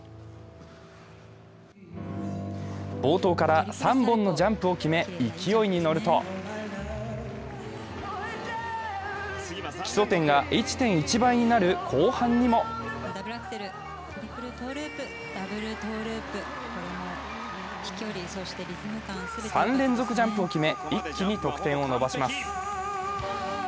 冒頭から３本のジャンプを決め、勢いに乗ると基礎点が１．１倍になる後半にも３連続ジャンプを決め、一気に得点を伸ばします